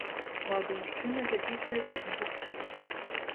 Малады мужчына запісвае кожнага ў сшытак.